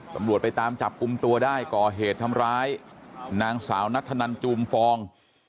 ตำรวจไปตามจับกลุ่มตัวได้ก่อเหตุทำร้ายนางสาวนัทธนันจูมฟอง